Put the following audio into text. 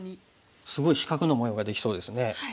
すごい四角の模様ができそうですね。